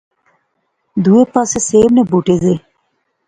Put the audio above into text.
دوئے پاسے سیب نے بوٹے زے